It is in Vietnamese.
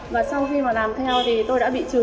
và sau khi mà làm theo thì tôi đã bị trừ